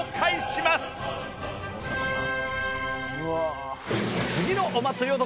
「大迫さん」